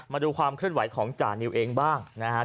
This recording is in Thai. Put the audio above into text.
มาดูความเคลื่อนไหวของจานิวเองบ้างนะครับ